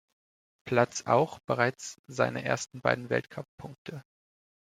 Platz auch bereits seine ersten beiden Weltcup-Punkte.